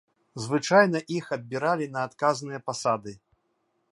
Звычайна іх абіралі на адказныя пасады.